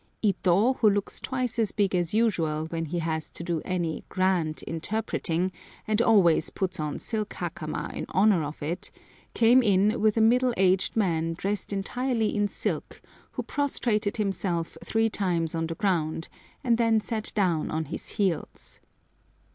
Ito, who looks twice as big as usual when he has to do any "grand" interpreting, and always puts on silk hakama in honour of it, came in with a middle aged man dressed entirely in silk, who prostrated himself three times on the ground, and then sat down on his heels.